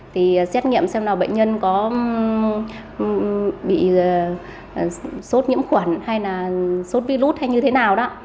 thì xét nghiệm xem là bệnh nhân có bị sốt nhiễm khuẩn hay là sốt virus hay như thế nào đó